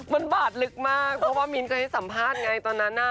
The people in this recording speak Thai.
มันบาดลึกมากเพราะว่ามิ้นเคยให้สัมภาษณ์ไงตอนนั้นน่ะ